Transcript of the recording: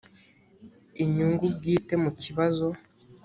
inyungu bwite mu kibazo